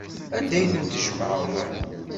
Anda ay ten-tjemɛeḍ?